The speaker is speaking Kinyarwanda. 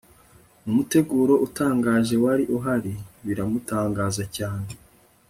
n'umuteguro utangaje wari uhari biramutangaza cyane